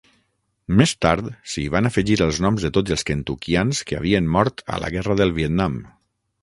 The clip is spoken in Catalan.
Més tard, s'hi van afegir els noms de tots els kentuckians que havien mort a la guerra del Vietnam.